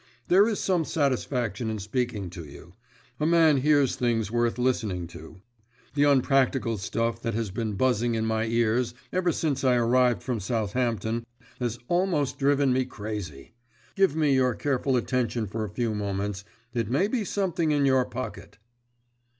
There is some satisfaction in speaking to you; a man hears things worth listening to. The unpractical stuff that has been buzzing in my ears ever since I arrived from Southampton has almost driven me crazy. Give me your careful attention for a few moments; it may be something in your pocket."